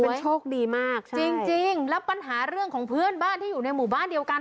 โชคดีมากจริงแล้วปัญหาเรื่องของเพื่อนบ้านที่อยู่ในหมู่บ้านเดียวกัน